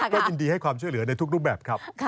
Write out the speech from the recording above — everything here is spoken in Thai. ก็ยินดีให้ความช่วยเหลือในทุกรูปแบบครับ